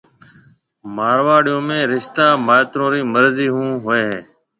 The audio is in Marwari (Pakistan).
مارواڙيون ۾ رشتہ مائيترون رِي مرضي ھون ھوئيَ ھيََََ